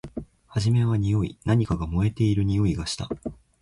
はじめはにおい。何かが燃えているにおいがした。